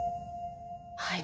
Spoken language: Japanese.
はい。